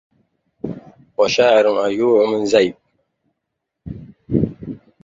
وشاعر أجوع من ذيب